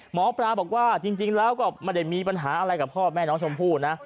หมอปลาบอกว่าจริงแล้วก็ไม่ได้มีปัญหาอะไรกับพ่อแม่น้องชมพู่นะ